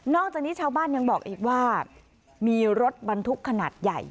จากนี้ชาวบ้านยังบอกอีกว่ามีรถบรรทุกขนาดใหญ่